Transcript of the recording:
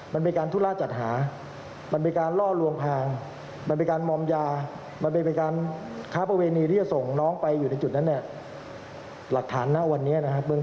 มันเป็นการทุฏฐาจัดหามันเป็นการล่อหลวงพาง